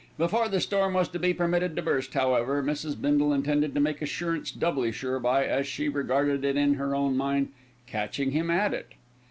Before the storm was to be permitted to burst, however, Mrs. Bindle intended to make assurance doubly sure by, as she regarded it in her own mind, "catching him at it."